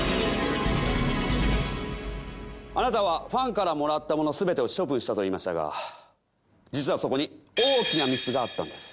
あなたはファンからもらったもの全てを処分したと言いましたが実はそこにえっ？